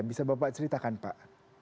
bisa bapak ceritakan pak